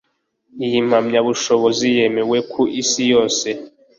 Iyi mpamyabushobozi yemewe ku isi yose